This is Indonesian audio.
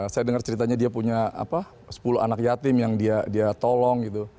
saya dengar ceritanya dia punya sepuluh anak yatim yang dia tolong gitu